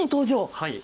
はい。